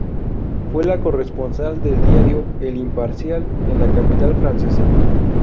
Fue la corresponsal del diario "El Imparcial" en la capital francesa.